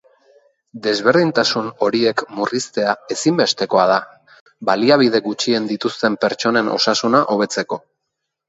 Desberdintasun horiek murriztea ezinbestekoa da, baliabide gutxien dituzten pertsonen osasuna hobetzeko.